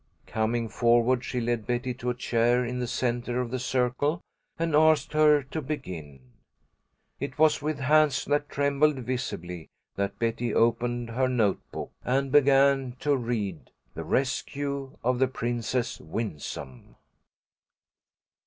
Coming forward, she led Betty to a chair in the centre of the circle, and asked her to begin. It was with hands that trembled visibly that Betty opened her note book and began to read "The Rescue of the Princess Winsome."